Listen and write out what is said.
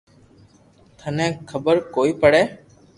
ٿني خبر ڪوئي پڙي